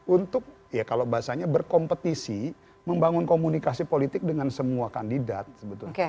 untuk ya kalau bahasanya berkompetisi membangun komunikasi politik dengan semua kandidat sebetulnya